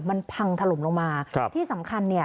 มันพังถล่มลงมาครับที่สำคัญเนี่ย